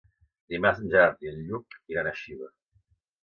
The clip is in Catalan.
Dimarts en Gerard i en Lluc iran a Xiva.